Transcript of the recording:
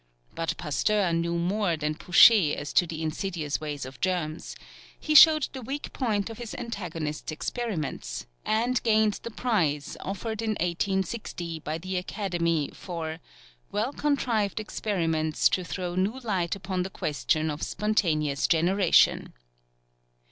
But Pasteur knew more than Pouchet as to the insidious ways of germs: he showed the weak point of his antagonist's experiments, and gained the prize, offered in 1860 by the Academy, for "well contrived experiments to throw new light upon the question of spontaneous generation."